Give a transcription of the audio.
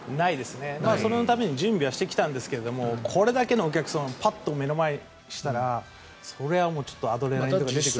そのために準備はしてきたんですけどこれだけのお客さんをパッと目の前にしたらそれはアドレナリンが出てくると思いますよ。